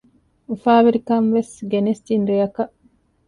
އުފާވެރި ކަންވެސް ގެނެސްދިން ރެއަކަށް